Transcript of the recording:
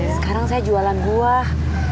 sekarang saya jualan buah